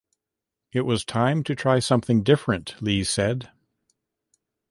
It was "time to try something different," Lee said.